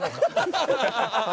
ハハハハ！